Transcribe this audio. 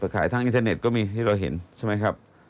ขายทางอินเทอร์เน็ตก็มีที่เราเห็นใช่ไหมครับ